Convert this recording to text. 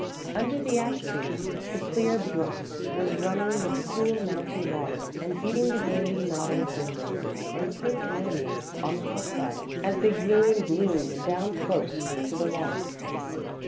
Under the ash trees, the clear brook was running with the cool mountain water and feeding the gaily nodding primroses and pink anemones on the hillside, as they grew and bloomed down close to the water.